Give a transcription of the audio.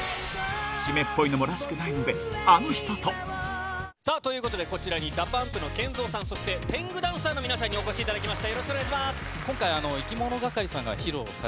湿っぽいのはらしくないので、あの人と。さあ、ということでこちらに、ＤＡＰＵＭＰのＫＥＮＺＯさん、そしててんぐだんさーの皆さんにお越しいただきました。